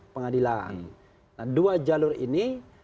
pengadilan nah dua jalur ini